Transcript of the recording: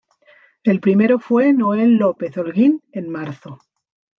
El primero fue Noel López Olguín en marzo.